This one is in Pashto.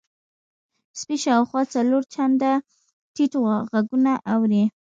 سپی شاوخوا څلور چنده ټیټ غږونه اوري.